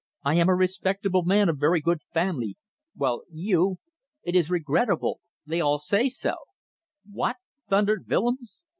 "I am a respectable man of very good family, while you ... it is regrettable ... they all say so ..." "What?" thundered Willems.